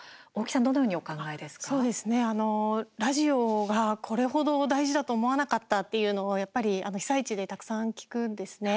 そうですね、ラジオがこれ程、大事だと思わなかったというのを、やっぱり被災地でたくさん聞くんですね。